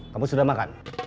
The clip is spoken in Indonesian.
kamu sudah makan